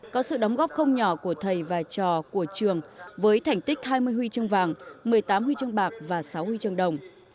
có sự đóng góp không nhỏ của thầy và trò của trường với thành tích hai mươi huy chương vàng một mươi tám huy chương bạc và sáu huy chương đồng